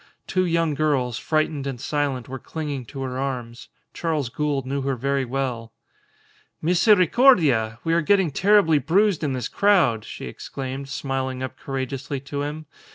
Two young girls, frightened and silent, were clinging to her arms. Charles Gould knew her very well. "Misericordia! We are getting terribly bruised in this crowd!" she exclaimed, smiling up courageously to him.